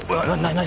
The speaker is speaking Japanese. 何？